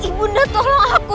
ibu dahat tolong aku